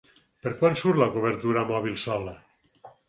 Per quan surt la cobertura mòbil sola?